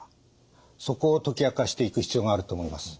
そこを解き明かしていく必要があると思います。